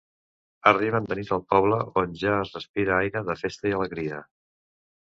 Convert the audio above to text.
Arriben de nit al poble, on ja es respira aire de festa i alegria.